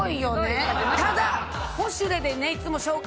ただ。